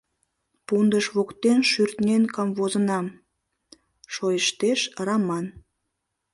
— Пундыш воктен шӱртнен камвозынам... — шойыштеш Раман.